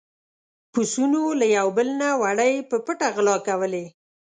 پسونو له يو بل نه وړۍ په پټه غلا کولې.